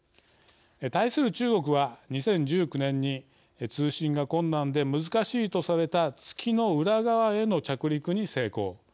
対する中国は２０１９年に通信が困難で難しいとされた月の裏側への着陸に成功。